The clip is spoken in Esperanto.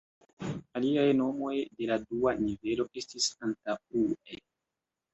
Aliaj nomoj de la dua nivelo estis antaŭe.